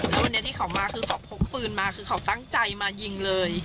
แล้ววันนี้ที่เขามาคือเขาพกปืนมาคือเขาตั้งใจมายิงเลย